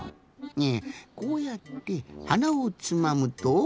ねえこうやってはなをつまむと。